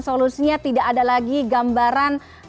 solusinya tidak ada lagi gambaran